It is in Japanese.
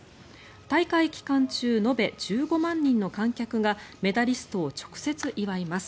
大会期間中延べ１５万人の観客がメダリストを直接祝います。